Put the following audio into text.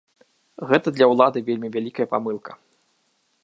Гэта для ўлады вельмі вялікая памылка.